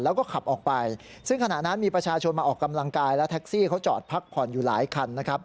และขับออกไปขณะนั้นมีประชาชนไปออกกำลังกายแท็กซี่จอดผักผ่อนอยู่หลายคัน